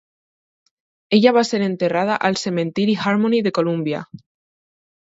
Ella va ser enterrada al Cementiri Harmony de Columbia.